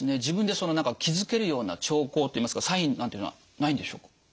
自分でその何か気付けるような兆候っていいますかサインなんていうのはないんでしょうか？